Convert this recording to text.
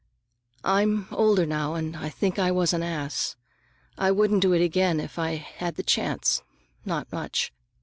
I'm older now, and I think I was an ass. I wouldn't do it again if I had the chance, not much!